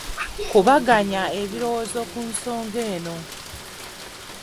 Kubaganya ebirowoozo ku nsonga eno.